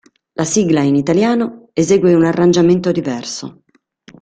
La sigla in italiano esegue un arrangiamento diverso.